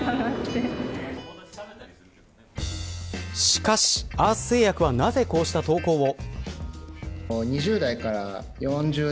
しかし、アース製薬はなぜこうした投稿を。